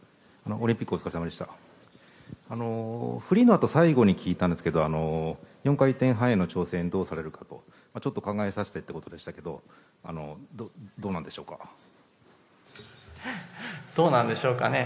フリーのあと最後に聞いたんですけれども、４回転半への挑戦はどうされるかと、ちょっと考えさせてということでしたけどどうなんでしょうか？